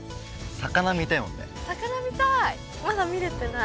魚見たい！